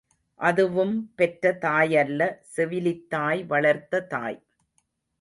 அதுவும் பெற்ற தாயல்ல செவிலித்தாய் வளர்த்த தாய்.